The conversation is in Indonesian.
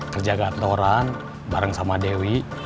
kerja kantoran bareng sama dewi